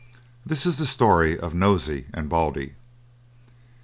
This is the story of Nosey and Baldy.